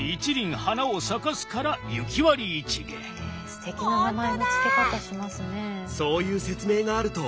すてきな名前のつけ方しますね。